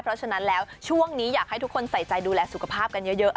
เพราะฉะนั้นแล้วช่วงนี้อยากให้ทุกคนใส่ใจดูแลสุขภาพกันเยอะ